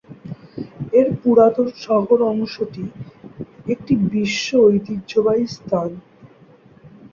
এর পুরাতন শহর অংশটি একটি বিশ্ব ঐতিহ্যবাহী স্থান।